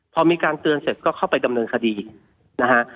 พอมีการเตือนเสร็จก็เข้าไปดำเนินคดีนะฮะ